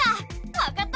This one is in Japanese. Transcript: ⁉わかった！